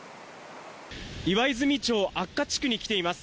岩泉町安家地区に来ています。